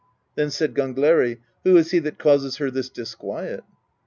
Then said Gangleri :" Who is he that causes her this disquiet?"